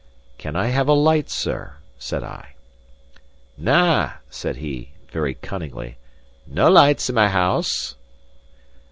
"Can I have a light, sir?" said I. "Na," said he, very cunningly. "Nae lights in my house."